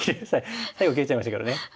最後切れちゃいましたけどね。